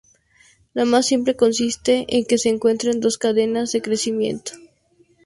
La más simple consiste en que se encuentren dos cadenas en crecimiento.